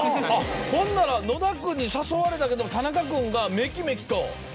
ほんなら野田君に誘われたけど田中君がメキメキと。